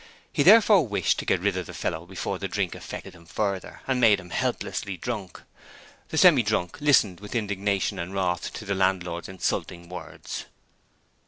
He therefore wished to get rid of the fellow before the drink affected him further and made him helplessly drunk. The Semi drunk listened with indignation and wrath to the landlord's insulting words.